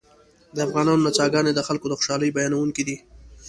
د افغانانو نڅاګانې د خلکو د خوشحالۍ بیانوونکې دي